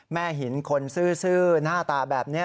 แม่หินคนซื่อหน้าตาแบบนี้